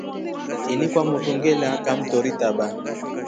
Ini kwa motru ngela kamtori taba.